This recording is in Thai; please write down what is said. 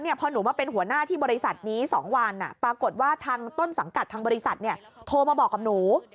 พอหนูมาเป็นหัวหน้าที่บริษัทนี้๒วันปรากฏว่าทางต้นสังกัดทางบริษัทโทรมาบอกกับหนู